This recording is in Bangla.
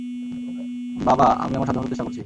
বাবা, আমি আমার সাধ্যমত চেষ্টা করছি।